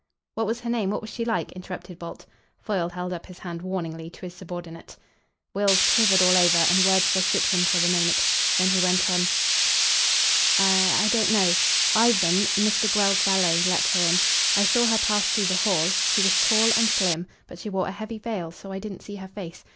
"What was her name? What was she like?" interrupted Bolt. Foyle held up his hand warningly to his subordinate. Wills quivered all over, and words forsook him for a moment. Then he went on "I I don't know. Ivan, Mr. Grell's valet, let her in. I saw her pass through the hall. She was tall and slim, but she wore a heavy veil, so I didn't see her face.